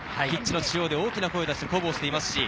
ピッチの中央で大きな声を出して、鼓舞をしています。